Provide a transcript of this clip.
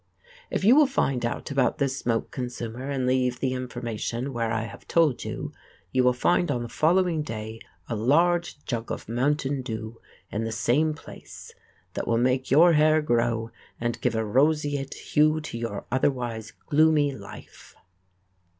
If you will find out about this smoke consumer and leave the information where I have told you you will find on the following day a large jug of mountain dew in the same place that will make your hair grow and give a roseate hue to your otherwise gloomy life.